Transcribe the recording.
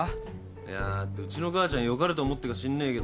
いやうちの母ちゃんよかれと思ってかしんねえけどさ